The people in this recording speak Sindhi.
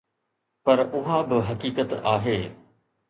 پر اها به هڪ حقيقت آهي.